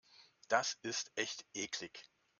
Das ist echt eklig.